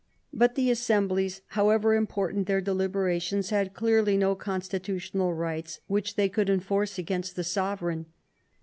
But the assemblies, however important their delibera tions, had clearly no constitutional rights which they could enforce against the sovereign.